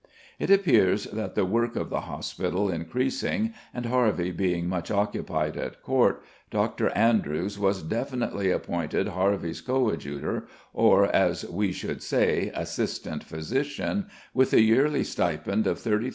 It appears that the work of the hospital increasing, and Harvey being much occupied at court, Dr. Andrewes was definitely appointed Harvey's coadjutor, or, as we should say, "assistant physician," with the yearly stipend of £33 6s.